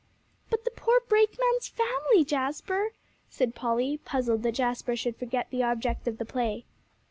"But the poor brakeman's family, Jasper," said Polly, puzzled that Jasper should forget the object of the play.